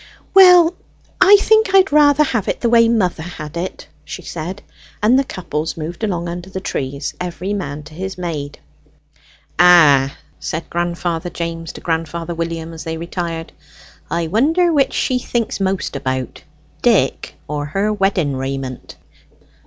"Well, I think I'd rather have it the way mother had it," she said, and the couples moved along under the trees, every man to his maid. "Ah!" said grandfather James to grandfather William as they retired, "I wonder which she thinks most about, Dick or her wedding raiment!"